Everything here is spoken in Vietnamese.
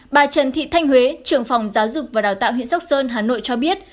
bà trần thị thanh huế trưởng phòng giáo dục và đào tạo huyện sóc sơn hà nội cho biết